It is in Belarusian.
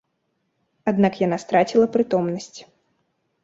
Аднак яна страціла прытомнасць.